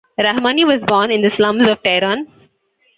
Rahmani was born in the slums of Tehran.